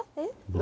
「何？」